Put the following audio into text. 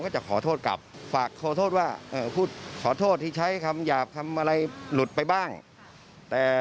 เฮ้ยใช่คำนั้นหรือเปล่าวะที่มีธุระมีปัญหากับอะไรอย่างนั้น